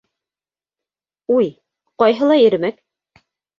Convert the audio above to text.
Уй... ҡайһылай ирмәк!